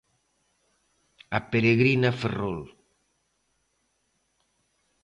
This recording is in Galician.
A Peregrina Ferrol.